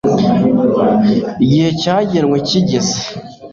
igihe cyagenwe kigeze